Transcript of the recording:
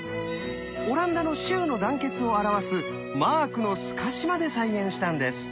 オランダの州の団結を表すマークの透かしまで再現したんです。